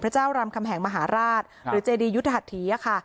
พระเจ้ารามคำแหงมหาราชค่ะหรือเจดียุทธหัสถีอะค่ะ